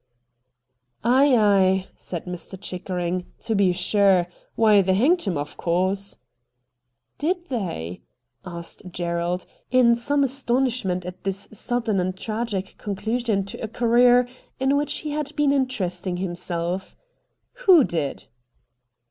' Ay, ay,' said Mr. Chickering, ' to be sure. Why they hanged him, of course.' A STRANGE STORY 71 ' Did they ?' asked Gerald, in some astonishment at this sudden and tragic conclu sion to a career in which he had been interest ing himself. ' Who did